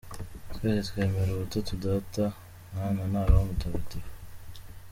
Twese twemera ubutatu Data, Mwana na Roho Mutagatifu.